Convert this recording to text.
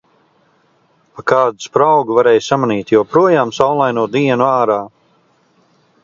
Pa kādu spraugu varēja samanīt joprojām saulaino dienu ārā.